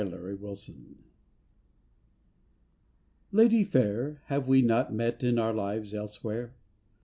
LADY FAIR Lady fair, have we not met In our lives elsewhere?